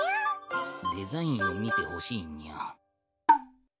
デザインを見てほしいにゃ。